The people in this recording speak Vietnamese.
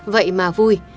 vậy mà vui